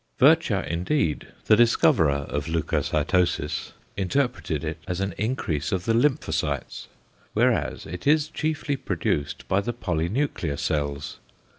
Virchow indeed, the discoverer of leucocytosis, interpreted it as an increase of the lymphocytes; whereas it is chiefly produced by the polynuclear cells.